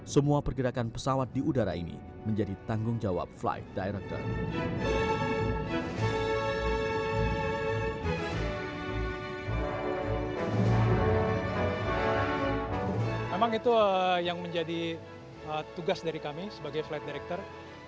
semua pergerakan pesawat di udara ini menjadi tanggung jawab flight director